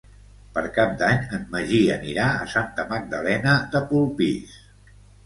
Per Cap d'Any en Magí anirà a Santa Magdalena de Polpís.